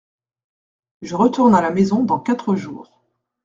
Je retourne à la maison dans quatre jours.